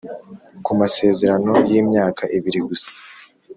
ku masezerano y’imyaka ibiri gusa